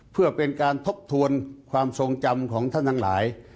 เพื่อเป็นการทบทวนความทรงจำของท่านทั้งหลาย